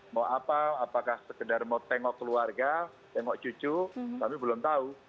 mau apa apakah sekedar mau tengok keluarga tengok cucu kami belum tahu